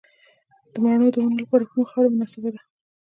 د مڼو د ونو لپاره کومه خاوره مناسبه ده؟